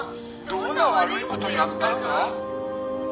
どんな悪い事やったんだ？」